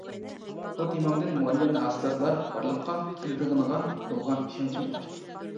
بۇ تېمامدىن مۇئەييەن ھاسىلاتلار بارلىققا كېلىدىغىنىغا بولغان ئىشەنچىم ئاشتى.